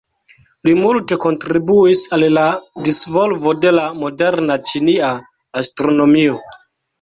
Li multe kontribuis al la disvolvo de la moderna ĉinia astronomio.